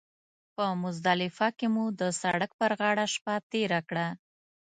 په مزدلفه کې مو د سړک پر غاړه شپه تېره کړه.